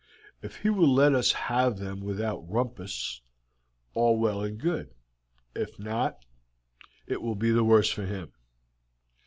If he will let us have them without rumpus, all well and good; if not, it will be the worse for him.